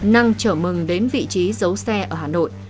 năng chở mừng đến vị trí giấu xe ở hà nội